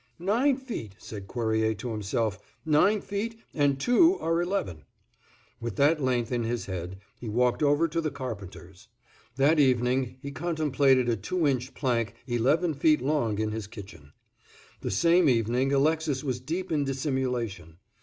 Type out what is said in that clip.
"Nine feet," said Cuerrier to himself, "nine feet, and two are eleven." With that length in his head he walked over to the carpenter's. That evening he contemplated a two inch plank eleven feet long in his kitchen. The same evening Alexis was deep in dissimulation.